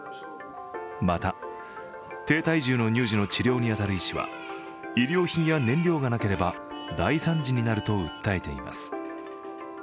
また、低体重の乳児の治療に当たる医師は医療品や燃料がなければ大惨事になると訴えています。